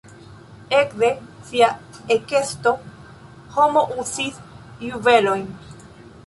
Ekde sia ekesto homo uzis juvelojn.